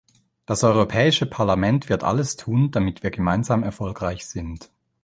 Das Europäische Parlament wird alles tun, damit wir gemeinsam erfolgreich sind.